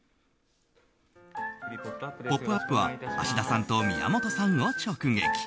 「ポップＵＰ！」は芦田さんと宮本さんを直撃。